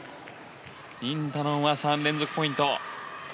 インタノンは３連続ポイント。